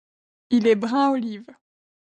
Il est brun-olive.